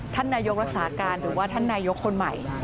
ท่านนายกรักษาการหรือว่าท่านนายกคนใหม่